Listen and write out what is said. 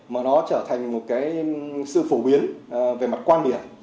mà nó trở thành một cái sự phổ biến về mặt quan điểm